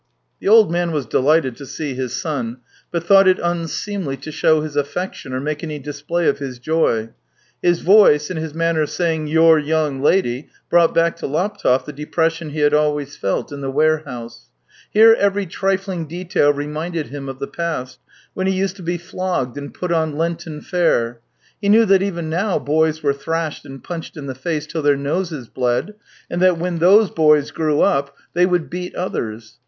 The old man was delighted to see his son, but thought it unseemly to show his affection or make any display of his joy. His voice and his manner of saying " your young lady " brought back to Laptev the depression he had always felt in the warehouse. Here every trifling detail reminded him of the past, when he uSed to be flogged and put on Lenten fare; he knew that even now boys were thrashed and punched in the face till their noses bled, and that when those boys grew up they would beat others.